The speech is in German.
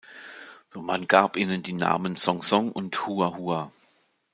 Man gab ihnen die Namen "Zhong Zhong" und "Hua Hua".